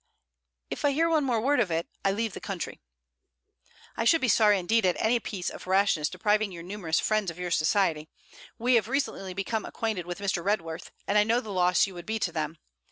'If I hear one word more of it, I leave the country.' 'I should be sorry indeed at any piece of rashness depriving your numerous friends of your society. We have recently become acquainted with Mr. Redworth, and I know the loss you would be to them.